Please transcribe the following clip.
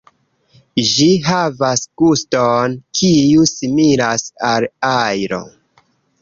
Ĝi havas guston, kiu similas al ajlo.